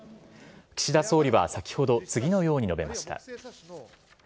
岸田総理は先ほど、次のように述べました。